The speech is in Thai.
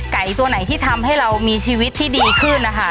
ตัวไหนที่ทำให้เรามีชีวิตที่ดีขึ้นนะคะ